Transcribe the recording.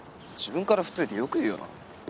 自分から振っといてよく言うよな。